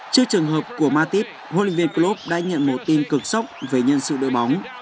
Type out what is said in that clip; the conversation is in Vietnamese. trước trường hợp của matip hlv klopp đã nhận một tin cực sốc về nhân sự đối bóng